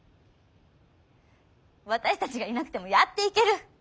私たちがいなくてもやっていける。